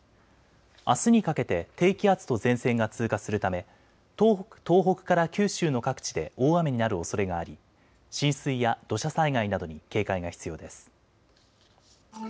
あすにかけて低気圧と前線が通過するため東北から九州の各地で大雨になるおそれがあり浸水や土砂災害などに警戒が必要です。